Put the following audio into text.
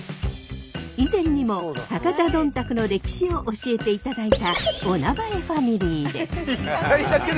以前にも博多どんたくの歴史を教えていただいたおなまえファミリーです。